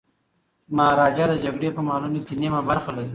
مهاراجا د جګړې په مالونو کي نیمه برخه لري.